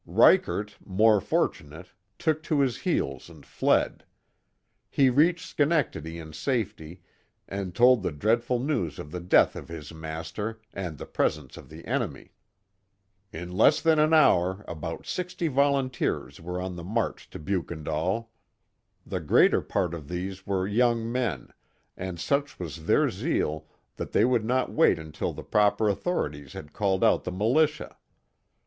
Ryckert, more for tunate, took to his lieels and fled. He reached Schenectadv in safety and told the dreadful news of the death of his master, and the i)resence of the enemy. In less* than an hour about sixty volunteers were on the march to Beukendaal. The greater part of these were young men, and such was their zeal that they would not wait until the proper authorities had called out the militia.